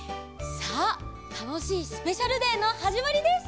さあたのしいスペシャルデーのはじまりです！